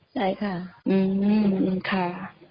ใช่ค่ะ